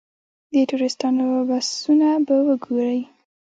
د ټوریسټانو بسونه به وګورئ.